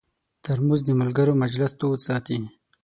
ترموز د ملګرو مجلس تود ساتي.